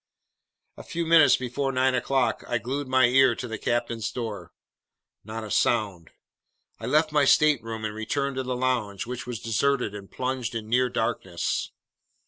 A few minutes before nine o'clock, I glued my ear to the captain's door. Not a sound. I left my stateroom and returned to the lounge, which was deserted and plunged in near darkness.